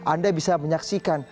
anda bisa menyaksikan